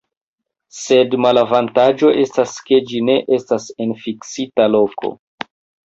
Sed malavantaĝo estas, ke ĝi ne estas en fiksita loko.